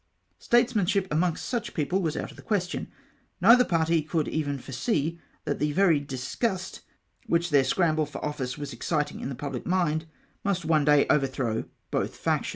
Statesmanship amongst such people Avas out of the question. Neither party could even foresee that the very disgust which their scramble for office was exciting in the pubhc mind, nnist one day overthrow both factions.